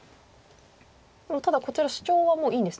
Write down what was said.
ただこちらシチョウはもういいんですね。